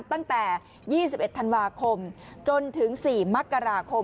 ตั้งแต่๒๑ธันวาคมจนถึง๔มกราคม